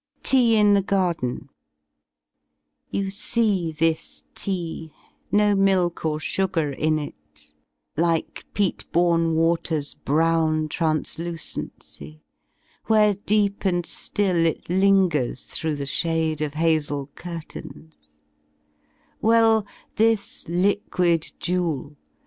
TEA IN THE GARDEN You see thii Tea, no milk or sugar in it. Like peat bom water* s brown translucency. Where deep and Rill it lingers through the shade Of hazel curtains: Well, this liquid jewel.